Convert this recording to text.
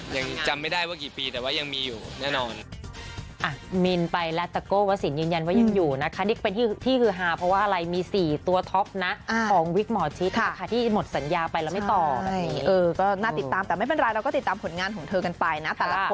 ยังจำไม่ได้ว่ากี่ปีแต่ว่ายังมีอยู่แน่นอน